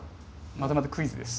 またまたクイズです。